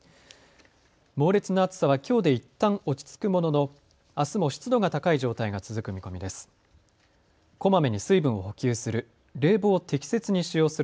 猛烈な暑さは、きょうでいったん落ち着くものの、あすも湿度が高い状態が続く見込みです。